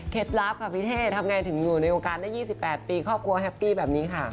ลับค่ะพี่เท่ทำไงถึงอยู่ในวงการได้๒๘ปีครอบครัวแฮปปี้แบบนี้ค่ะ